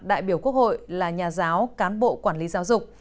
đại biểu quốc hội là nhà giáo cán bộ quản lý giáo dục